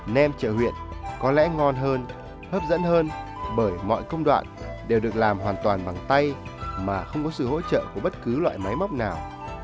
nem chợ huyện có lẽ ngon hơn hấp dẫn hơn bởi mọi công đoạn đều được làm hoàn toàn bằng tay mà không có sự hỗ trợ của bất cứ loại máy móc nào